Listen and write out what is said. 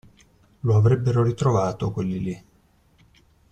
Lo avrebbero ritrovato, quelli lì.